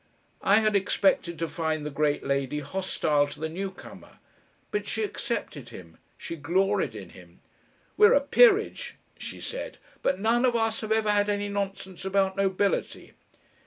I had expected to find the great lady hostile to the new comer, but she accepted him, she gloried in him. "We're a peerage," she said, "but none of us have ever had any nonsense about nobility."